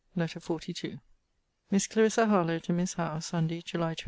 LETTER XLII MISS CLARISSA HARLOWE, TO MISS HOWE SUNDAY, JULY 23.